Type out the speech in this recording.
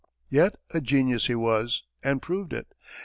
Yet a genius he was, and proved it.